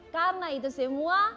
karena itu semua